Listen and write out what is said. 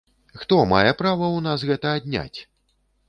Хто мае права ў нас гэта адняць?!